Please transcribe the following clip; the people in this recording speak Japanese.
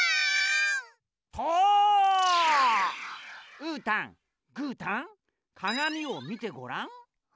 うーたんぐーたんかがみをみてごらん。